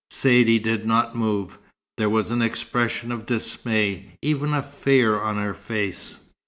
Saidee did not move. There was an expression of dismay, even of fear on her face.